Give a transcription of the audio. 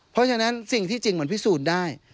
เพราะฉะนั้นสิ่งที่จริงมันพิสูจน์ได้